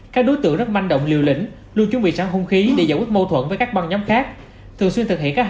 các đối tượng rất manh động liều lĩnh luôn chuẩn bị sẵn hung khí để giải quyết mâu thuẫn với các băng nhóm khác